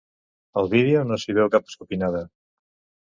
Al vídeo no s’hi veu cap escopinada.